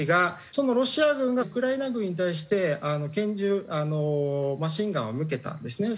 そのロシア軍がウクライナ軍に対して拳銃マシンガンを向けたんですね。